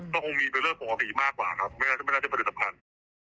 ก็คงมีไปเรื่องสุขภัยมากกว่าครับไม่น่าจะเป็นปฏิสักทาง